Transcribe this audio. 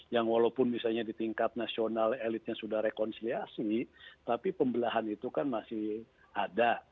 yang walaupun misalnya di tingkat nasional elitnya sudah rekonsiliasi tapi pembelahan itu kan masih ada